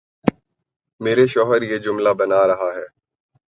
میرے شوہر یہ جملہ بنا رہا ہے